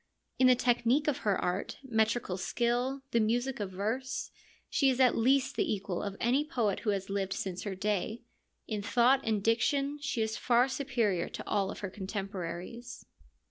In the technique of her art, metrical skill, the music of verse, she is at least the equal of any poet who has lived since her day ; in thought and diction she is far superior to all her contemporaries.